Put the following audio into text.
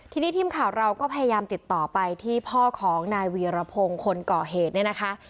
ทีนี้ทีมข่าวเราก็พยายามติดต่อไปที่พ่อของนายวีรพงศ์คนก่อเหตุเนี่ยนะคะ